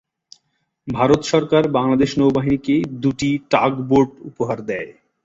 ভারত সরকার বাংলাদেশ নৌবাহিনীকে দুটি টাগবোট উপহার দেয়।